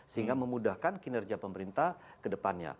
sehingga memudahkan kinerja pemerintah kedepannya